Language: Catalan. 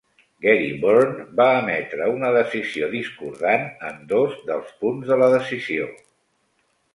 Gary Born va emetre una decisió discordant en dos dels punts de la decisió.